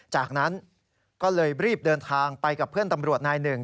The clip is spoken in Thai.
จากนั้นก็เลยรีบเดินทางไปกับเพื่อนตำรวจนายหนึ่ง